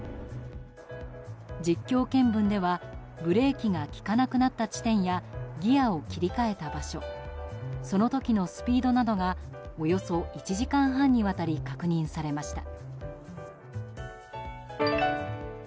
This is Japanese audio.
実況見分ではブレーキが利かなくなった地点やギアを切り替えた場所その時のスピードなどがおよそ１時間半にわたり確認されました。